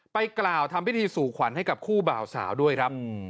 กล่าวทำพิธีสู่ขวัญให้กับคู่บ่าวสาวด้วยครับ